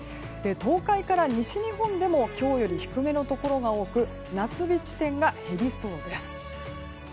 東海から西日本でも今日より低めのところが多く夏日地点が減りそうです。